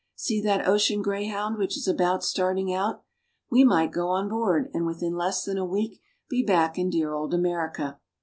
See that ocean greyhound which is about starting out ! We might go on board and within less than a week be back in dear old America